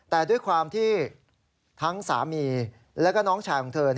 แต่ด้วยความที่ทั้งสามีแล้วก็น้องชายของเธอ